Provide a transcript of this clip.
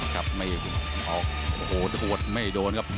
กลับมาอีกออกโอ้โหโดดไม่โดนครับ